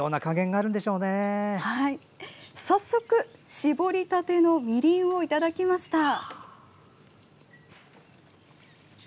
早速、搾りたてのみりんをいただきました。